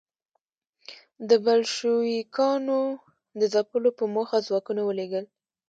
د بلشویکانو د ځپلو په موخه ځواکونه ولېږل.